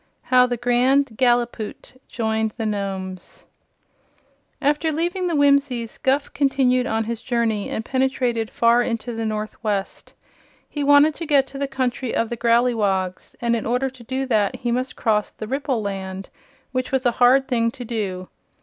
8. How the Grand Gallipoot Joined The Nomes After leaving the Whimsies, Guph continued on his journey and penetrated far into the Northwest. He wanted to get to the Country of the Growleywogs, and in order to do that he must cross the Ripple Land, which was a hard thing to do.